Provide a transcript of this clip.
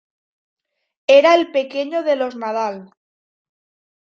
Era el pequeño de los Nadal.